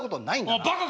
お前バカか。